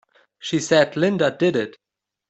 She said Linda did it!